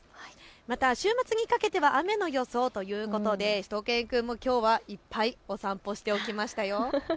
また週末ににかけては雨の予想ということで、しゅと犬くんもきょうはいっぱいお散歩しておきましたよ。